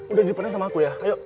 udah di depannya sama aku ya ayo